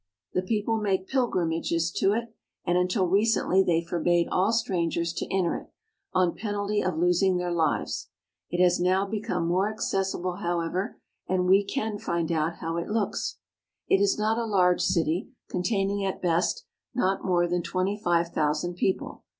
The people make pil grimages to it, and until recently they forbade all stran gers to enter it, on penalty of losing their lives. It has now become more accessible, however, and we can find out how it looks. It is not a large city, containing, at best, not more than twenty five thousand people.